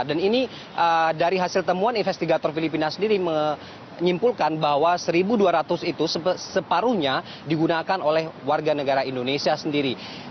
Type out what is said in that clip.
dan ini dari hasil temuan investigator filipina sendiri menyimpulkan bahwa satu dua ratus itu separuhnya digunakan oleh warga negara indonesia sendiri